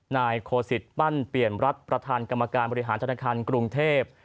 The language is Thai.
นายโคสิตปั้นเปลี่ยนรัฐประธานกรรมการบริหารธนาคารกรุงเทพ